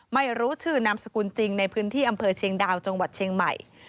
ไม่รู้ชื่อนามสกุลจริงในพื้นที่อำเภอเชียงดาวจังหวัดเชียงใหม่